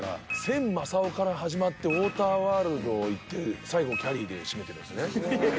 千昌夫から始まって「ウォーターワールド」いって最後きゃりーで締めてるんですね。